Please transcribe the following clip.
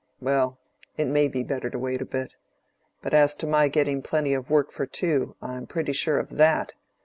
"Well, it may be better to wait a bit. But as to my getting plenty of work for two, I'm pretty sure of that.